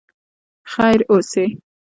خیر اوسې.